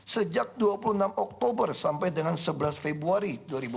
sejak dua puluh enam oktober sampai dengan sebelas februari dua ribu dua puluh